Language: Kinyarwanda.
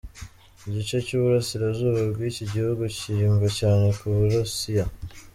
Igice cy’Uburasirazuba bw’iki gihugu kiyumva cyane ku Burusiya.